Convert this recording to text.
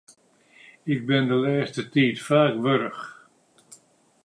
Ik bin de lêste tiid faak warch.